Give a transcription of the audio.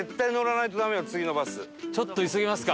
ちょっと急ぎますか。